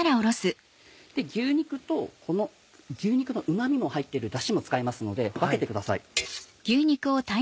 牛肉とこの牛肉のうま味も入ってるダシも使いますので分けてください。